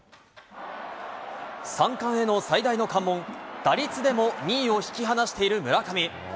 三冠への最大の関門、打率でも２位を引き離している村上。